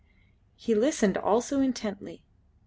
He listened also intently.